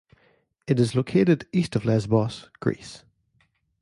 It is located east of Lesbos, Greece.